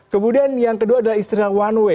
kemudian yang kedua adalah istilah one way